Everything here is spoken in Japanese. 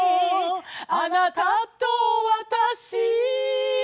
「あなたと私」